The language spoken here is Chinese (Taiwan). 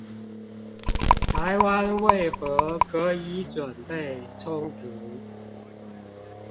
台灣為何可以準備充足